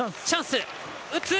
チャンス。